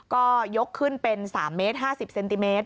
ก็ยกขึ้นเป็น๓เมตร๕๐เซนติเมตร